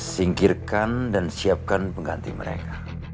singkirkan dan siapkan pengganti mereka